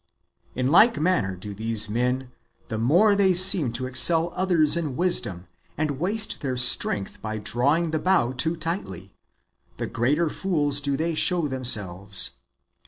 In like manner do these men, the more they seem to excel others in wisdom, and waste their strength by drawing the bow too tightty,^ the greater fools do they show themselves.